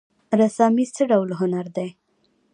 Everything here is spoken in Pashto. رسامي څه ډول هنر دی؟